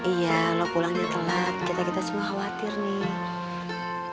iya kalau pulangnya telat kita kita semua khawatir nih